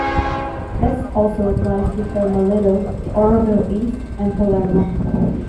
This also applies to Thermalito, Oroville East, and Palermo.